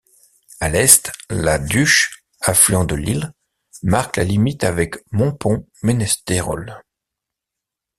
À l'est, la Duche, affluent de l'Isle, marque la limite avec Montpon-Ménestérol.